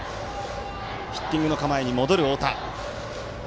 ヒッティングの構えに戻る太田。